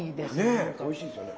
ねえおいしいですよね。